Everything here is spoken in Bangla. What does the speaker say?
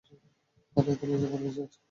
আরে এতে লজ্জা পাওয়ার কি আছে?